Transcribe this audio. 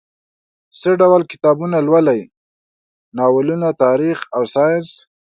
څه ډول کتابونه لولئ؟ ناولونه، تاریخ او ساینس